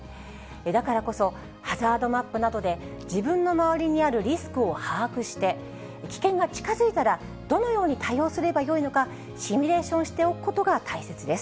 だからこそ、ハザードマップなどで自分の周りにあるリスクを把握して、危険が近づいたらどのように対応すればよいのか、シミュレーションしておくことが大切です。